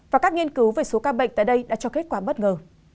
và các nghiên cứu về số ca bệnh tại đây đã cho kết quả bất ngờ